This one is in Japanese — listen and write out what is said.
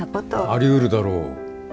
ありうるだろう。